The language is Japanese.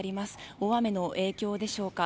大雨の影響でしょうか。